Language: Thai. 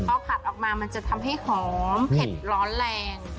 พอผัดออกมามันจะทำให้หอมเผ็ดร้อนแรง